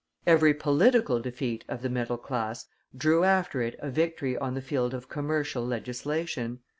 Every political defeat of the middle class drew after it a victory on the field of commercial legislation.